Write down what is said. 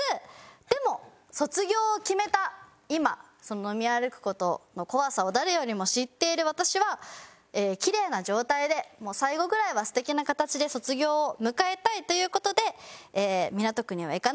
でも卒業を決めた今飲み歩く事の怖さを誰よりも知っている私はキレイな状態で最後ぐらいは素敵な形で卒業を迎えたいという事で港区には行かない。